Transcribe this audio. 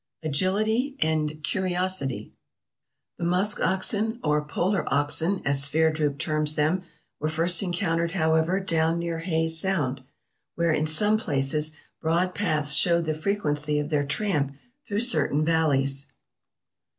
Agility and Curiosity The musk oxen, or polar oxen, as Sverdrup terms them, were first encountered, however, down near Hayes Sound, where in some places broad paths showed the frequency of their tramping through certain valleys.